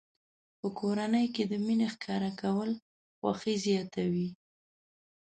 په کورنۍ کې د مینې ښکاره کول خوښي زیاتوي.